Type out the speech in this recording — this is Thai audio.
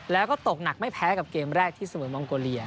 แล้วก็ตกหนักไม่แพ้กับเกมแรกที่เสมอมองโกเลีย